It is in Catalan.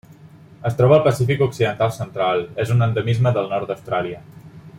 Es troba al Pacífic occidental central: és un endemisme del nord d'Austràlia.